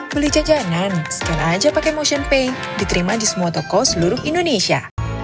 beli jajanan scan aja pake motionpay diterima di semua toko seluruh indonesia